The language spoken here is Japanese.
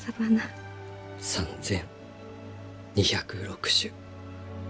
３，２０６種。